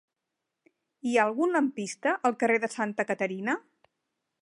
Hi ha algun lampista al carrer de Santa Caterina?